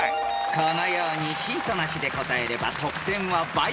［このようにヒントなしで答えれば得点は倍。